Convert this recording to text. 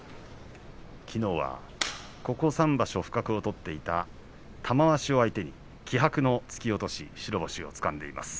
きのうは、ここ３場所不覚を取っていた玉鷲を相手に気迫の突き押し白星を取っています。